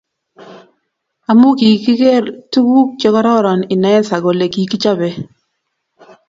amu kigeer tuguk chegororon inaeza kole kikichapee